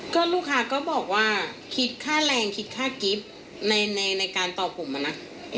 ก็ลูกค้าก็บอกว่าคิดค่าแรงคิดค่ากิฟต์ในการต่อผมอะนะ